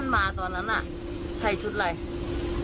มาตอนนั้นน่ะไถสุดยกอะไร